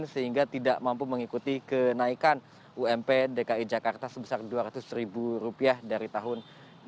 sehingga tidak mampu mengikuti kenaikan ump dki jakarta sebesar dua ratus ribu rupiah dari tahun dua ribu dua puluh